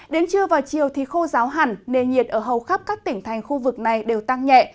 đến trưa vào chiều thì khô ráo hẳn nền nhiệt ở hầu khắp các tỉnh thành khu vực này đều tăng nhẹ